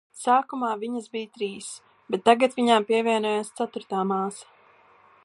Sākumā viņas bija trīs, bet tagad viņām pievienojās ceturtā māsa.